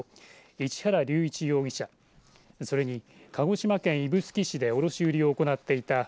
市原竜一容疑者それに鹿児島県指宿市で卸売を行っていた